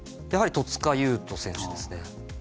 やはり戸塚優斗選手ですね。